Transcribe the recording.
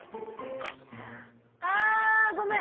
あごめん！